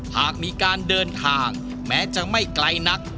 หากมีการเดินทางแม้จะไม่ไกลนัก